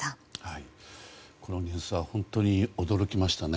このニュースは本当に驚きましたね。